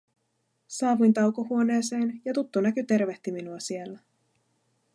Saavuin taukohuoneeseen, ja tuttu näky tervehti minua siellä.